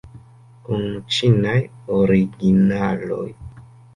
Kun ĉinaj originaloj.